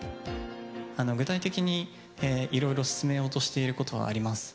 具体的にいろいろ進めようとしていることはあります。